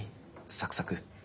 サクサク。